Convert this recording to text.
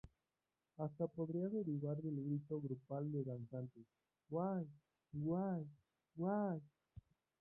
Hasta podría derivar del grito grupal de danzantes "¡way!,¡way!,¡way!